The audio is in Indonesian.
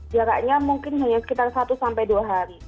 jaraknya mungkin hanya sekitar satu sampai dua hari